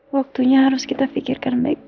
waktunya harus kita pikirkan baik baik dulu